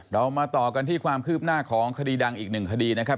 เรามาต่อกันที่ความคืบหน้าของคดีดังอีกหนึ่งคดีนะครับ